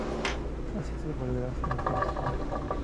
Así se volvería mejor asesino.